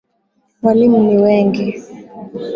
Walimu ni wengi.